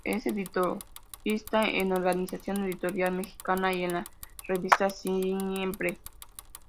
Es editorialista en Organización Editorial Mexicana y en la Revista Siempre.